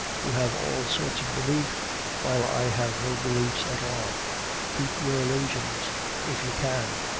You have all sorts of beliefs, while I have no beliefs at all. Keep your illusions if you can.